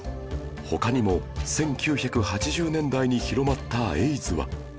他にも１９８０年代に広まったエイズは